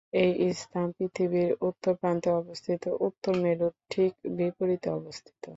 এই স্থান পৃথিবীর উত্তর প্রান্তে অবস্থিত উত্তর মেরুর ঠিক বিপরীতে অবস্থিত।